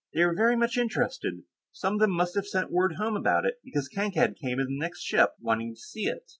They were very much interested; some of them must have sent word home about it, because Kankad came in on the next ship, wanting to see it.